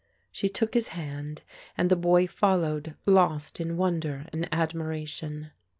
She took his hand and the boy followed, lost in wonder and admiration.